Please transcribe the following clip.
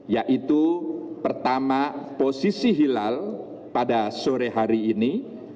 yaitu pertama posisi hilal pada sore hari ini